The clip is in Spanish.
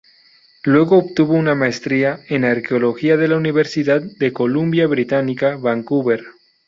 Luego obtuvo una maestría en arqueología de la Universidad de Columbia Británica, Vancouver.